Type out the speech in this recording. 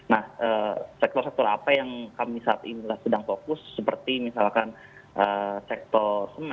nah sektor sektor apa yang kami saat ini sedang fokus seperti misalkan sektor semen sektor transportasi bamba